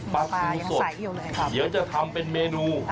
ปลาทูสดเดี๋ยวจะทำเป็นเมนู